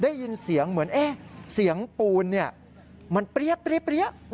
ได้ยินเสียงเหมือนเอ๊ะเสียงปูนมันเปรี๊ยะเปรี๊ยะเปรี๊ยะ